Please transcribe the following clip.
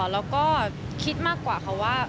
แล้วก็คิดมากกว่าค่ะว่า